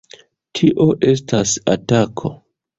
Tio estas atako!